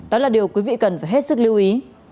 đó là điều quý vị cần phải hết sức lưu ý